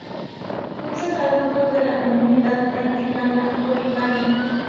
Muchos adultos de la comunidad practican la poligamia.